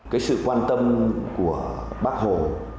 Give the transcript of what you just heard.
cái sự quan tâm của bác hồ